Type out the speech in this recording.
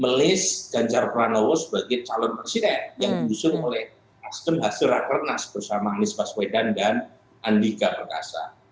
melis ganjar pranowo sebagai calon presiden yang diusul oleh nasjidun hasil rakyat nasjidun bersama anies baswedan dan andika pekasa